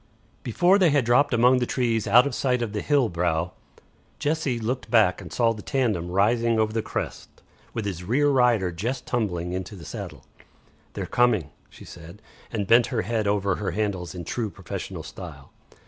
Before they had dropped among the trees out of sight of the hill brow, Jessie looked back and saw the tandem rising over the crest, with its rear rider just tumbling into the saddle. "They're coming," she said, and bent her head over her handles in true professional style.